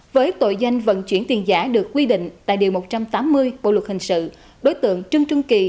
với tội danh vận chuyển tiền giả được quy định tại điều một trăm tám mươi bộ luật hình sự đối tượng trương trung kỳ